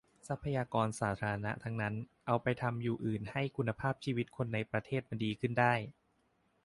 ทรัพยากรสาธารณะทั้งนั้น เอาไปทำอยู่อื่นให้คุณภาพชีวิตคนในประเทศมันดีขึ้นได้